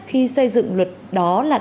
khi xây dựng luật đó là